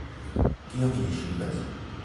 Kiom ili ŝuldas?